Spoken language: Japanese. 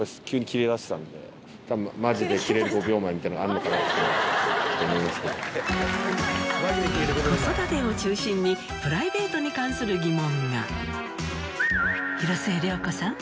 そんな子育てを中心にプライベートに関する疑問が広末涼子さん